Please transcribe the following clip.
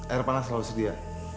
air panas selalu sedia